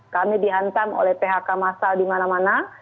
kami dihantam oleh phk masal di mana mana